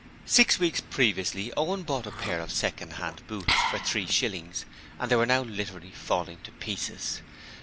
Six weeks previously Owen bought a pair of second hand boots for three shillings and they were now literally falling to pieces.